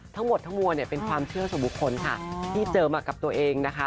ทั้งหมดทางมั่วเป็นความเชื่อสมบุคคลที่เจอมากับตัวเองนะคะ